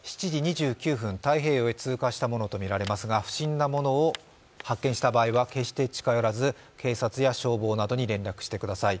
７時２９分、太平洋へ通過したものとみられますが不審なものを発見した場合は決したら近寄らず、警察や消防などに連絡してください。